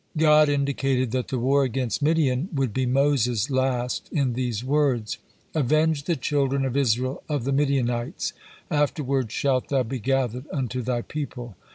God indicated that the war against Midian would be Moses' last in these words, "Avenge the children of Israel of the Midianites: afterward shalt thou be gathered unto thy people."